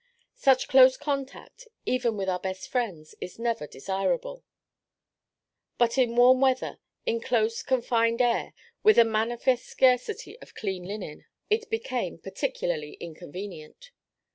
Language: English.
Such close contact, even with our best friends, is never desirable; but in warm weather, in a close, confined air, with a manifest scarcity of clean linen, it became particularly inconvenient.